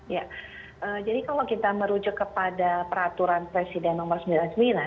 ya jadi kalau kita merujuk kepada peraturan presiden nomor sembilan puluh sembilan